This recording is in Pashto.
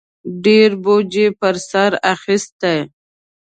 ډېر بوج یې په سر اخیستی